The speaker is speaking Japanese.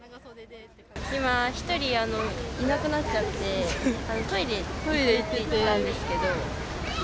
今、１人いなくなっちゃって、トイレ行ってたんですけど。